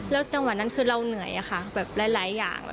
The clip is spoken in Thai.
จังหวะนั้นคือเราเหนื่อยอะค่ะแบบหลายอย่าง